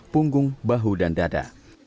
punggung bahu dan dada